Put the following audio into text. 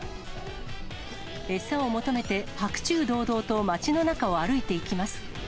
餌を求めて白昼堂々と街の中を歩いていきます。